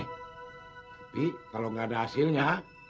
tapi kalo gak ada hasilnya